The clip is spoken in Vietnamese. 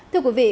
thưa quý vị